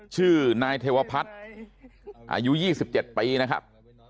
ชื่อนายเทวะพัฒน์อายุยี่สิบเจ็ดปีนะครับ